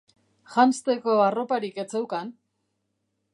Janzteko arroparik ez zeukan